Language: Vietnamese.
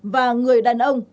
và người đàn ông